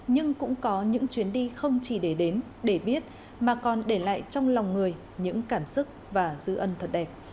nhưng cũng có những chuyến đi không chỉ để đến để biết mà còn để lại trong lòng người những cảm xúc và dư âm thật đẹp